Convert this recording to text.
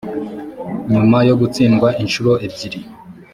nyuma yo gutsindwa incuro ebyiri